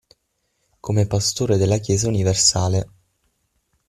Come Pastore della Chiesa universale.